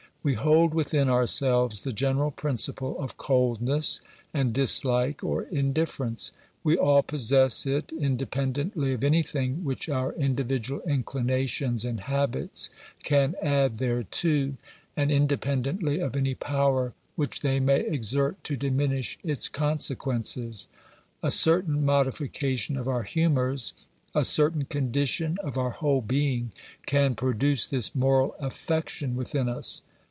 We hold within ourselves the general prin ciple of coldness and dislike or indifference ; we all possess it, independently of anything which our individual inclina tions and habits can add thereto, and independently of any power which they may exert to diminish its conse quences. A certain modification of our humours, a certain condition of our whole being, can produce this moral affection within us.